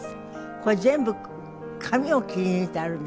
これ全部紙を切り抜いてあるんですか？